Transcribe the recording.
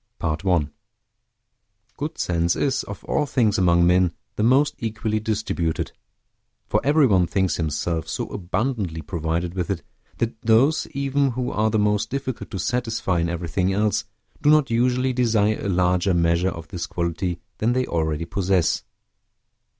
PART I Good sense is, of all things among men, the most equally distributed; for every one thinks himself so abundantly provided with it, that those even who are the most difficult to satisfy in everything else, do not usually desire a larger measure of this quality than they already possess.